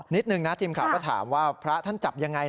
นิดนึงนะทีมข่าวก็ถามว่าพระท่านจับยังไง